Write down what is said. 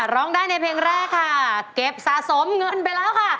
ร้องได้ในเพลงแรกค่ะเก็บสะสมเงินไปแล้วค่ะ